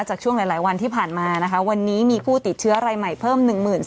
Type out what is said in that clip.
จากช่วงหลายวันที่ผ่านมาวันนี้มีผู้ติดเชื้อรายใหม่เพิ่ม